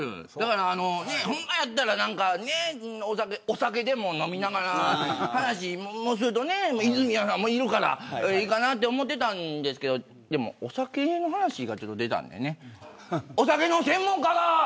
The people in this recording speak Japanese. だから、ほんまやったらお酒でも飲みながら話しすると泉谷さんもいるからいいかなって思ってたんですけどでも、お酒の話が出たんでねお酒の専門家が。